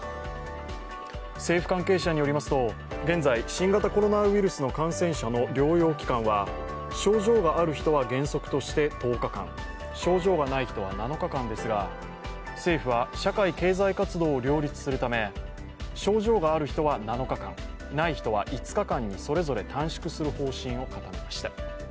政府関係者によりますと、現在新型コロナウイルスの感染者の療養期間は症状がある人は原則として１０日間、症状がない人は７日間ですが政府は、社会・経済活動を両立するため、症状がある人は７日間、ない人は５日間にそれぞれ短縮する方針を固めました。